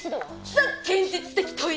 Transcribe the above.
ザ・現実的問い！